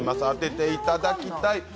当てていただきたい。